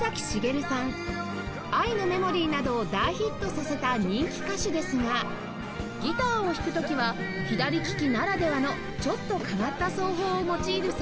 『愛のメモリー』などを大ヒットさせた人気歌手ですがギターを弾く時は左ききならではのちょっと変わった奏法を用いるそうです